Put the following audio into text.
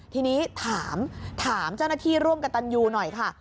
ทีนี้ถามถามเจ้าหน้าที่ร่วมกับตันยูหน่อยค่ะ